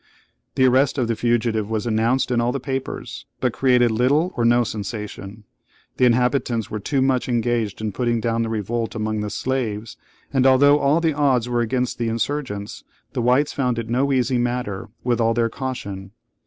The arrest of the fugitive was announced in all the newspapers, but created little or no sensation. The inhabitants were too much engaged in putting down the revolt among the slaves; and although all the odds were against the insurgents, the whites found it no easy matter, with all their caution.